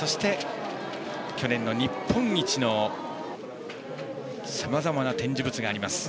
去年の日本一のさまざまな展示物があります。